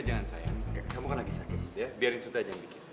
jangan sayang kamu kan lagi sakit ya biarin sut aja yang bikin